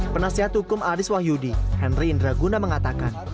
penasihat hukum aris wahyudi henry indraguna mengatakan